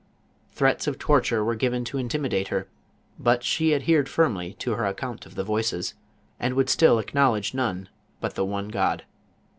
Threats of torture were given to intimidate her, but she adhered firmly to her account of the voices, and would still acknowledge none but the one God.